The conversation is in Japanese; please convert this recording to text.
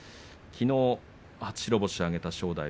きのう初白星を挙げた正代。